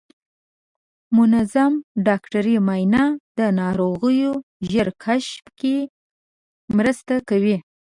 منظم ډاکټري معاینه د ناروغیو ژر کشف کې مرسته کوي.